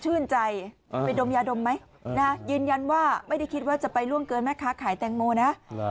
ใจไปดมยาดมไหมยืนยันว่าไม่ได้คิดว่าจะไปล่วงเกินแม่ค้าขายแตงโมนะ